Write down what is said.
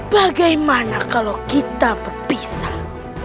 bagaimana kalau kita berpisah